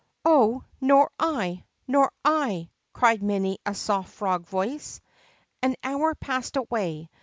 Oh, nor I ! Ror I !" cried many a soft frog voice. An hour passed away.